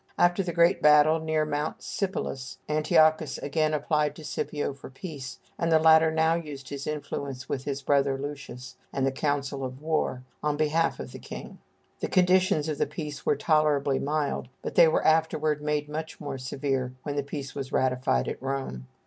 After the great battle near Mount Sipylus, Antiochus again applied to Scipio for peace, and the latter now used his influence with his brother Lucius and the council of war, on behalf of the king. The conditions of the peace were tolerably mild, but they were afterward made much more severe when the peace was ratified at Rome.